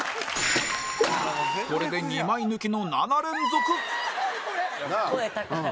これで２枚抜きの７連続「声高い」